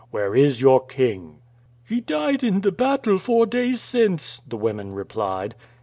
Where is your king?" "He died in the battle four days since," the women replied.